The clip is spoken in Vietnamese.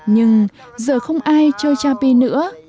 nhưng giờ không ai chơi cha pi nữa